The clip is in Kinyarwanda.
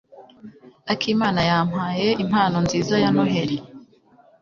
akimana yampaye impano nziza ya Noheri.